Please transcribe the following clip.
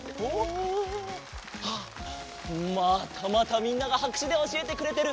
あっまたまたみんながはくしゅでおしえてくれてる。